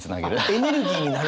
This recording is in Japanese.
エネルギーになるんだ？